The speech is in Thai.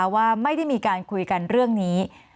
ว่าไม่ได้มีการคุยกันเรื่องนี้